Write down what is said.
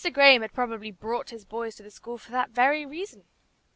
Graham had probably brought his boys to the school for that very reason.